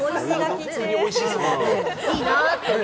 いいなって。